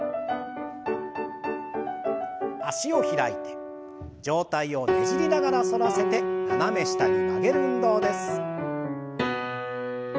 脚を開いて上体をねじりながら反らせて斜め下に曲げる運動です。